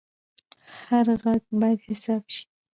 هر غږ باید حساب شي